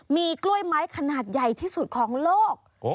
มีกล้วยไม้ขนาดใหญ่ที่สุดของโลก